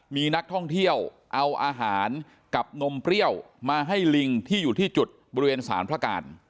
มีนักท่องเที่ยวเอาอาหารกับนมเปรี้ยวมาให้ลิงที่อยู่ที่จุดบริเวณสารพระการ